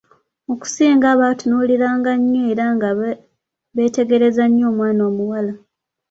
Okusinga baatunuuliranga nnyo era nga beetegereza nnyo omwana omuwala.